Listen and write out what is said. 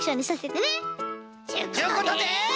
ちゅうことで！